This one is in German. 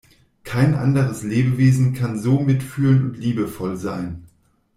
Kein anderes Lebewesen kann so mitfühlend und liebevoll sein.